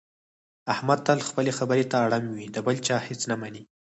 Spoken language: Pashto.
احمد تل خپلې خبرې ته اړم وي، د بل چا هېڅ نه مني.